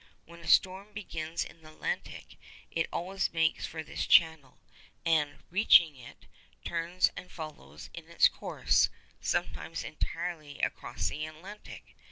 When a storm begins in the Atlantic, it always makes for this channel, 'and, reaching it, turns and follows it in its course, sometimes entirely across the Atlantic.